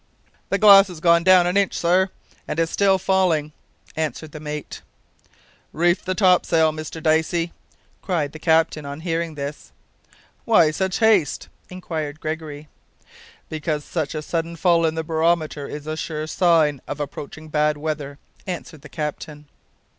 "The glass has gone down an inch, sir, and is still falling," answered the mate. "Reef the topsail, Mr Dicey," cried the captain, on hearing this. "Why such haste?" inquired Gregory. "Because such a sudden fall in the barometer is a sure sign of approaching bad weather," answered the captain.